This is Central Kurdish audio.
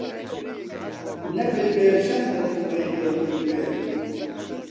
نە بلوێرژەن دەتووڕێنێ لە بلوێر